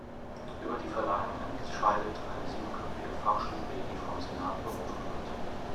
Über die Verleihung entscheidet eine siebenköpfige Fachjury, die vom Senat berufen wird.